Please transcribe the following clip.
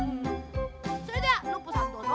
それではノッポさんどうぞ。